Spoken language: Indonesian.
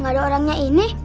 gak ada orangnya ini